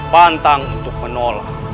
pantang untuk menolak